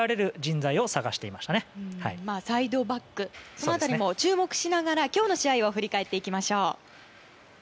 この辺りも注目しながら今日の試合を振り返っていきましょう。